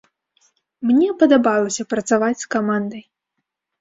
Мне падабалася працаваць з камандай.